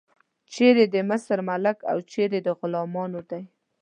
چیرې د مصر ملک او چیرې د غلامانو دی.